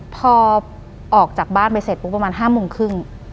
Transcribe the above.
พอออกจากบ้านไปเสร็จประมาณ๕มุมครึ่ง